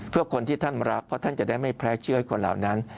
เพื่อคนที่ท่านรักเพราะท่านจะได้ไม่แพ้เชื่อให้คนเหล่านั้น